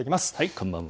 こんばんは。